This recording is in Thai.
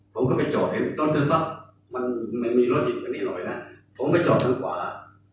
ผมไปถามน้องว่า